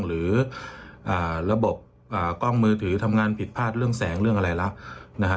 หรือระบบกล้องมือถือทำงานผิดพลาดเรื่องแสงเรื่องอะไรแล้วนะฮะ